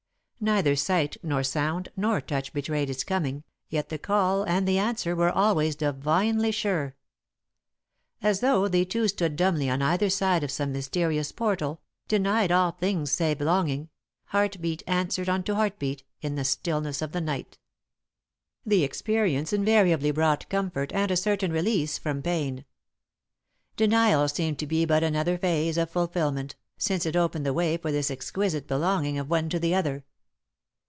Neither sight nor sound nor touch betrayed its coming, yet the call and the answer were always divinely sure. As though they two stood dumbly on either side of some mysterious portal, denied all things save longing, heart beat answered unto heart beat in the stillness of the night. The experience invariably brought comfort and a certain release from pain. Denial seemed to be but another phase of fulfilment, since it opened the way for this exquisite belonging of one to the other.